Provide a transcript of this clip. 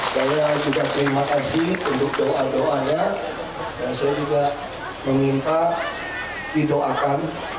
saya juga terima kasih untuk doa doanya dan saya juga meminta didoakan